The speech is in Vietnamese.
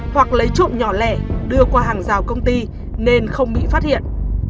hoặc lấy trộm nhỏ lẻ đưa qua hàng rào công ty nên không bị phát hiện